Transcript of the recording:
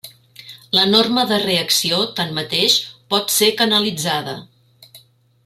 La norma de reacció, tanmateix, pot ser canalitzada.